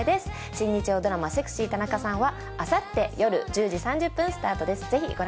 新日曜ドラマ、セクシー田中さんは、あさって夜１０時３０分スタートです。